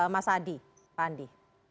mas hadi pak andi